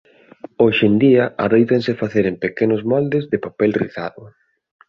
Hoxe en día adóitanse facer en pequenos moldes de papel rizado.